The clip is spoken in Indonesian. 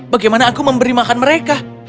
bagaimana aku memberi makan mereka